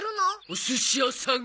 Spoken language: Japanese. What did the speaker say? お寿司屋さん